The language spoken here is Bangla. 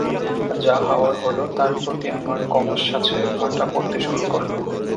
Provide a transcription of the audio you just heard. যা হওয়ার হলো, তার প্রতি আমার কামোচ্ছ্বাসে ভাটা পড়তে শুরু করল।